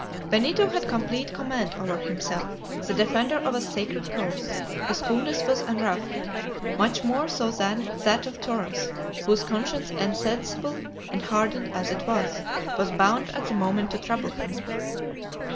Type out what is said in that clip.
Benito had complete command over himself. The defender of a sacred cause, his coolness was unruffled, much more so than that of Torres, whose conscience insensible and hardened as it was, was bound at the moment to trouble him.